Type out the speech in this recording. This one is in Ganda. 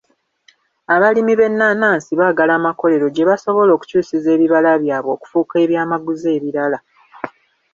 Abalimi b'ennaanansi baagala amakolero gye basobola okukyusiza ebibala byabwe okufuuka ebyamaguzi ebirala.